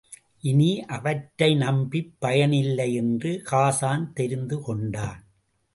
இனி, அவற்றை நம்பிப் பயனில்லை என்று ஹாஸான் தெரிந்து கொண்டான்.